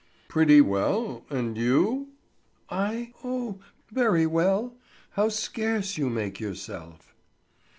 "Pretty well; and you?" "I—oh, very well. How scarce you make yourself!"